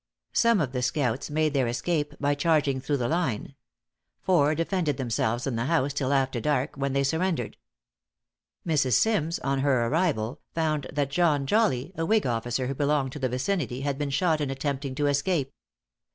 Some of the scouts made their escape by charging through the line; four defended themselves in the house till after dark, when they surrendered. Mrs. Sims, on her arrival, found that John Jolly, a whig officer who belonged to the vicinity, had been shot in attempting to escape.